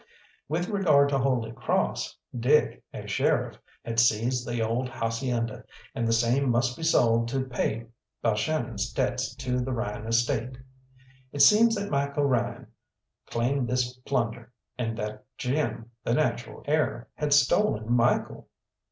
With regard to Holy Cross, Dick, as sheriff, had seized the old hacienda, and the same must be sold to pay Balshannon's debts to the Ryan estate. It seems that Michael Ryan claimed this plunder, and that Jim, the natural heir, had stolen Michael.